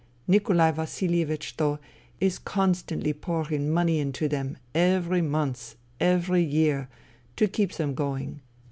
Nikolai Vasilievich, though, is constantly pouring money into them, every month, every year, to keep them going.